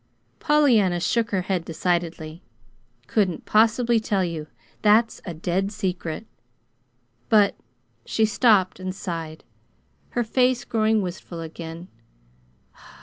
Pollyanna shook her head decidedly. "Couldn't possibly tell you. That's a dead secret. But " She stopped and sighed, her face growing wistful again.